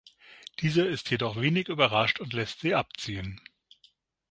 Dieser ist jedoch wenig überrascht und lässt sie abziehen.